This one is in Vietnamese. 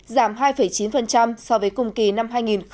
giảm hai chín so với cùng kỳ năm hai nghìn một mươi tám